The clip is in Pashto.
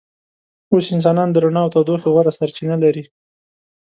اوس انسانان د رڼا او تودوخې غوره سرچینه لري.